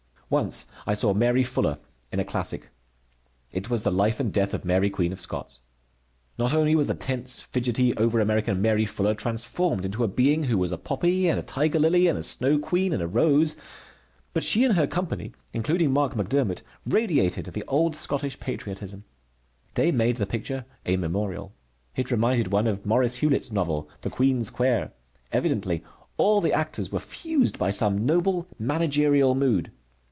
Once I saw Mary Fuller in a classic. It was the life and death of Mary Queen of Scots. Not only was the tense, fidgety, over American Mary Fuller transformed into a being who was a poppy and a tiger lily and a snow queen and a rose, but she and her company, including Marc Macdermott, radiated the old Scotch patriotism. They made the picture a memorial. It reminded one of Maurice Hewlett's novel The Queen's Quair. Evidently all the actors were fused by some noble managerial mood.